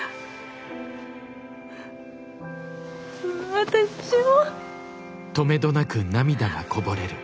私も。